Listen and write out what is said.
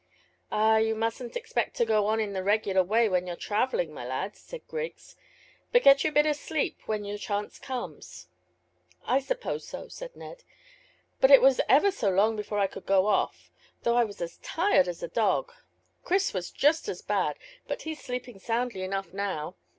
"Ah, you mustn't expect to go on in the regular way when you're travelling, my lad," said Griggs, "but get your bit of sleep when the chance comes." "I suppose so," said Ned; "but it was ever so long before I could go off, though I was as tired as a dog. Chris was just as bad, but he's sleeping soundly enough now."